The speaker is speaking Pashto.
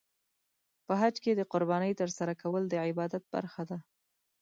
په حج کې د قربانۍ ترسره کول د عبادت برخه ده.